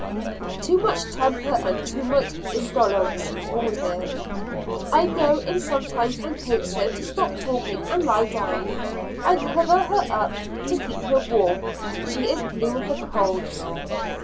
Too much temper and too much indolence rule here. I go in sometimes and coax her to stop talking and lie down. I cover her up to keep her warm; she is blue with the cold.